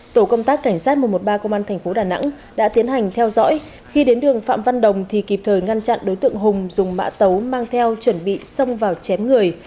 tổ công tác cảnh sát một trăm một mươi ba công an tp đà nẵng đã tiến hành theo dõi khi đến đường phạm văn đồng thì kịp thời ngăn chặn đối tượng hùng dùng mã tấu mang theo chuẩn bị xông vào chém người